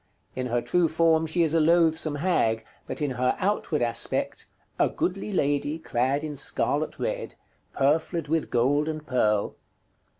In her true form she is a loathsome hag, but in her outward aspect, "A goodly lady, clad in scarlot red, Purfled with gold and pearle